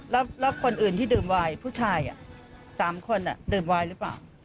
แล้วคนอื่นที่ดื่มวายผู้ชาย๓คนดื่มวายหรือเปล่า